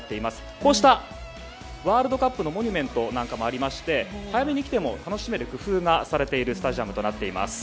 こうしたワールドカップのモニュメントなんかもありまして早めに来ても楽しめる工夫がされているスタジアムとなっています。